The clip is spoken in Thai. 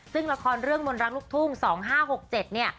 ซึ่งละครเรื่องมนรักลูกทุ่ง๒๕๖๗เนี่ย